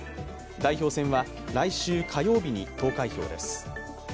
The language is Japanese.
代表選は来週火曜日に投開票です。